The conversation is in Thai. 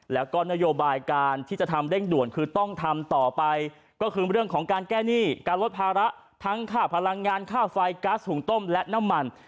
แล้วก็นโยบายการที่จะทำเร่งด่วนคือต้องทำต่อไปก็คือเรื่องของการแก้หนี้การลดภาระทั้งค่าพลังงานค่าไฟก๊าซหุงต้มและน้ำมัน